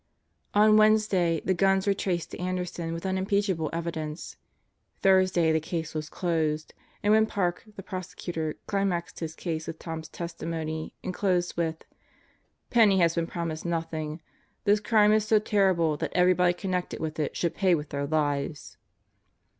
On Wednesday the guns were traced to Anderson with unim peachable evidence. Thursday the case was closed, and when Park, the prosecutor, climaxed his case with Tom's testimony and closed with: "Penney has been promised nothing; this crime is so terrible that everybody connected with it should pay with their lives."